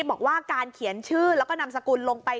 บอกว่าการเขียนชื่อแล้วก็นามสกุลลงไป